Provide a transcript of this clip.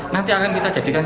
nanti akan kita jadikan